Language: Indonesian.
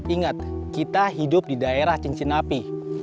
ingat kita hidup di daerah cincin api